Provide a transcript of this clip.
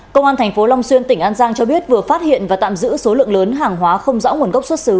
công an tp long xuyên tỉnh an giang cho biết vừa phát hiện và tạm giữ số lượng lớn hàng hóa không rõ nguồn gốc xuất xứ